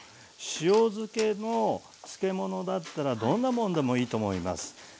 塩漬けの漬物だったらどんなもんでもいいと思います。